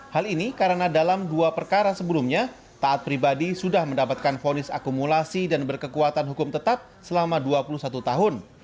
hal ini karena dalam dua perkara sebelumnya taat pribadi sudah mendapatkan vonis akumulasi dan berkekuatan hukum tetap selama dua puluh satu tahun